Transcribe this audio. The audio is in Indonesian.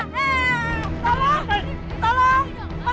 bapak yang berani sama saya